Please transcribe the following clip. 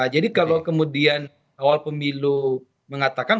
jadi kalau kemudian kawal pemilu mengatakan